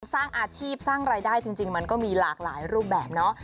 สร้างอาชีพสร้างรายได้จริงมันก็มีหลากหลายรูปแบบเนาะ